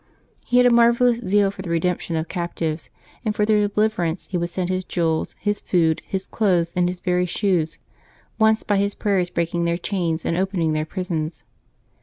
He had a marvellous zeal for the redemption of captives, and for their deliverance would sell his jewels, his food, his clothes, and his very shoes, once by his prayers breaking their chains and opening their prisons.